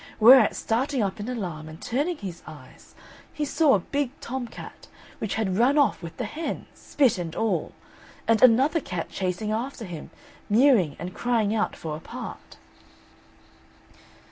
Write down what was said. Whereat starting up in alarm and turning his eyes, he saw a big tom cat, which had run off with the hen, spit and all; and another cat chasing after him, mewing, and crying out for a part.